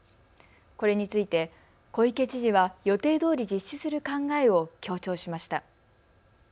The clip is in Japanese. これについて小池知事は予定どおり実施する考えを強調しました。